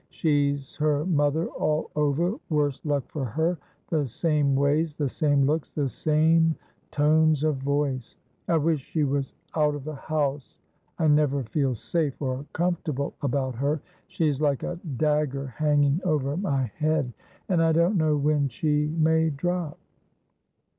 She's her mother all over, worse luck for her ! the same ways, the same looks, the same tones of voice. I wish she was out of the house. I never feel safe or comfortable about her. She's like a dagger hanging over my head ; and I don't know when she may drop.'